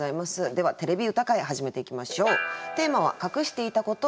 では「てれび歌会」始めていきましょう。